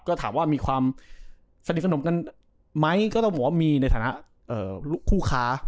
ก็ถามว่ามีความสนิทสนมกันไหมก็ต้องบอกว่ามีในฐานะคู่ค้า